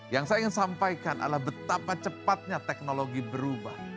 yang saya ingin sampaikan adalah betapa cepatnya teknologi berubah